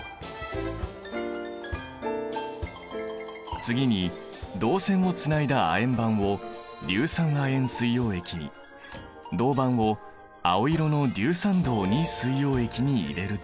次に導線をつないだ亜鉛板を硫酸亜鉛水溶液に銅板を青色の硫酸銅水溶液に入れると。